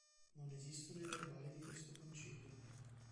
Non esistono i verbali di questo concilio.